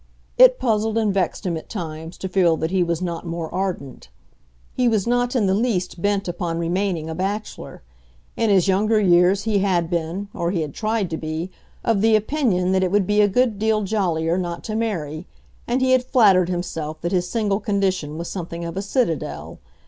It puzzled and vexed him at times to feel that he was not more ardent. He was not in the least bent upon remaining a bachelor. In his younger years he had been—or he had tried to be—of the opinion that it would be a good deal "jollier" not to marry, and he had flattered himself that his single condition was something of a citadel.